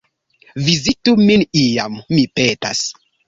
Vizitu min iam, mi petas!